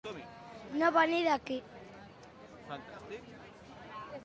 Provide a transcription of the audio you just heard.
No venir d'aquí.